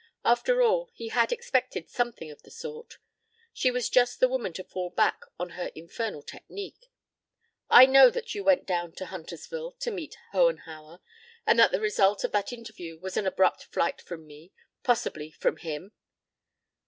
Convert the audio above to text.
After all, he had expected something of the sort. She was just the woman to fall back on her infernal technique. "I know that you went down to Huntersville to meet Hohenhauer, and that the result of that interview was an abrupt flight from me possibly from him.